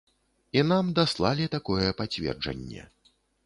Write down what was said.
І нам даслалі такое пацверджанне.